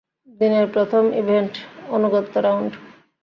দিনের প্রথম ইভেন্টঃ আনুগত্য রাউন্ড।